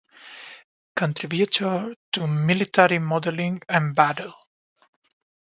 Contributor to "Military Modelling" and "Battle".